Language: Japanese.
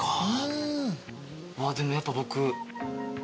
でもやっぱ僕。